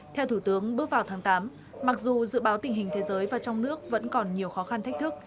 theo thủ tướng bước vào tháng tám mặc dù dự báo tình hình thế giới và trong nước vẫn còn nhiều khó khăn thách thức